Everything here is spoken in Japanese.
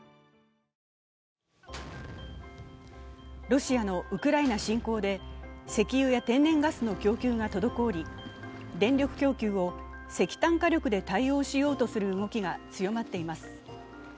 ロシアのウクライナ侵攻で石油や天然ガスの供給が滞り電力供給を石炭火力で対応しようとする動きが強まっています。